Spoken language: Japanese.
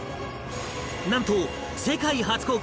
なんと世界初公開！